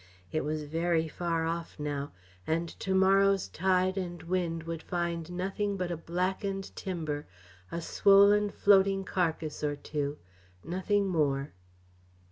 It was very far off now; and to morrow's tide and wind would find nothing but a blackened timber, a swollen, floating carcass or two nothing more.